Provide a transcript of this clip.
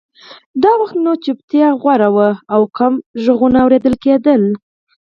دا وخت نو چوپتیا خوره وه او کم غږونه اورېدل کېدل